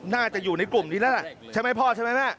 น่าจะอยู่ในกลุ่มนี้แล้วล่ะใช่ไหมพ่อใช่ไหมแม่